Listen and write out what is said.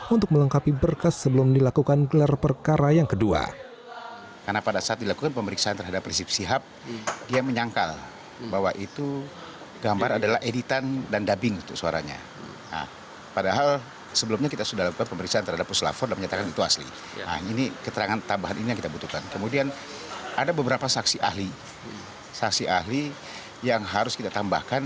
untuk melengkapi berkas sebelum dilakukan gelar perkara yang kedua